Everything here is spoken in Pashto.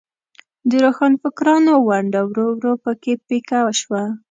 د روښانفکرانو ونډه ورو ورو په کې پیکه شوه.